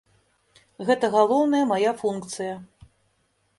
Гэта галоўная мая функцыя.